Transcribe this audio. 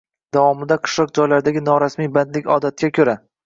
Davomida «Qishloq joylaridagi norasmiy bandlik odatga ko‘ra